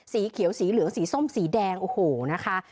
สีเขียวสีเหลืองสีส้มสีแดงโอ้โหนะคะ